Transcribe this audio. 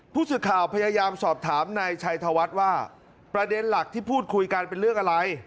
ผู้สื่อข่าวพยายามสอบถามนายชัยธวัฒน์ว่าประเด็นหลักที่พูดคุยกันเป็นเรื่องอะไร